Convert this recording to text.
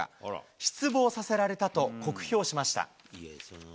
失望させられたと酷評しました。